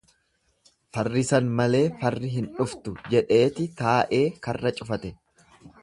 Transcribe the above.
Farrisan malee farri hin dhuftu, jedheeti taa'ee karra cufate.